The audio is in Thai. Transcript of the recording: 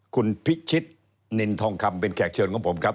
คุณพิชิตนินทองคำเป็นแขกเชิญของผมครับ